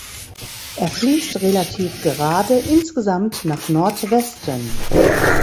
Er fließt relativ gerade insgesamt nach Nordwesten.